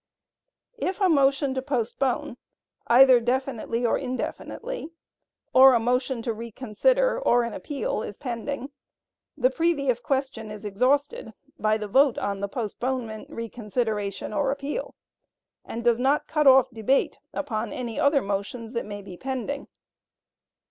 If a motion to postpone, either definitely or indefinitely, or a motion to reconsider, or an appeal is pending, the previous question is exhausted by the vote on the postponement, reconsideration or appeal, and does not cut off debate upon any other motions that may be pending.